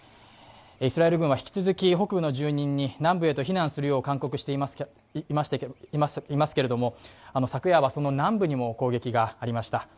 イスラエル軍は引き続き、北部の住民に南部に避難するよう勧告していましたが、昨夜はその南部にも攻撃がありました。